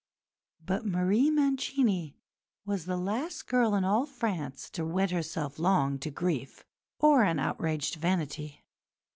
But Marie Mancini was the last girl in all France to wed herself long to grief or an outraged vanity.